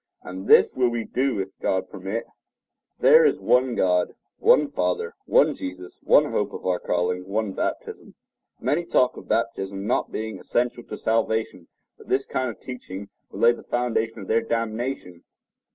And this will we do, if God permit." (Heb. 6:1 3). There is one God, one Father, one Jesus, one hope of our calling, one baptism. Many talk of baptism not being essential to salvation; but this kind of teaching would lay the foundation of their damnation.